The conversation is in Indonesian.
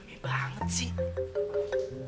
ami banget sih